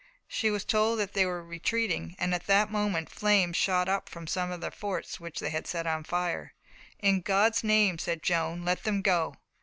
She was told that they were retreating, and at that moment flames shot up from some of their forts which they had set on fire. "In God's name," said Joan, "let them go.